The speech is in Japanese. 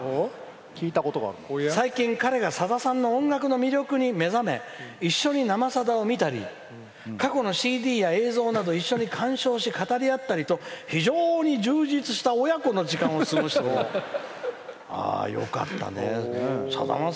最近、彼がさださんの音楽の魅力に目覚め一緒に「生さだ」を見たり過去のＣＤや映像など一緒に鑑賞し語り合ったりと非常に充実した親子の時間を過ごしております」。